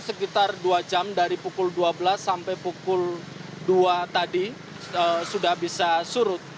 sekitar dua jam dari pukul dua belas sampai pukul dua tadi sudah bisa surut